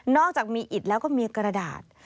อกจากมีอิดแล้วก็มีกระดาษ